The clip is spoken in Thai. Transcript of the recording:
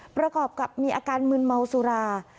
ประกอบกับมีอาการมืนเมาสุรา